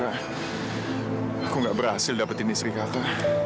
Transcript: aku gak berhasil dapetin istri aku